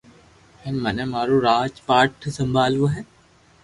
ھي مني مارو راج پاٺ سمڀالووُ ھي